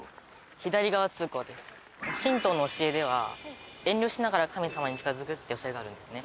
神道の教えでは遠慮しながら神様に近づくって教えがあるんですね。